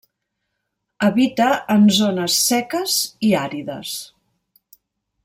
Habita en zones seques i àrides.